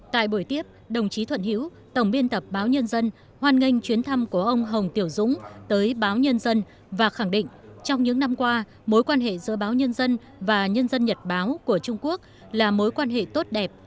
tại buổi tiếp đồng chí thuận hiễu tổng biên tập báo nhân dân hoan nghênh chuyến thăm của ông hồng tiểu dũng tới báo nhân dân và khẳng định trong những năm qua mối quan hệ giữa báo nhân dân và nhân dân nhật báo của trung quốc là mối quan hệ tốt đẹp